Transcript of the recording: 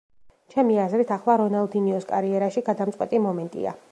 ჩემი აზრით, ახლა რონალდინიოს კარიერაში გადამწყვეტი მომენტია.